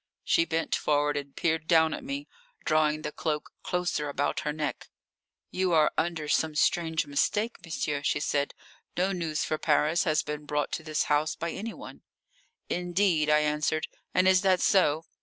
She bent forward and peered down at me, drawing the cloak closer about her neck. "You are under some strange mistake, monsieur," she said. "No news for Paris has been brought to this house by any one." "Indeed?" I answered. "And is that so?"